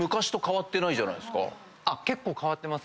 結構変わってます